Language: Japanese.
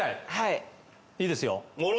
いいですよ。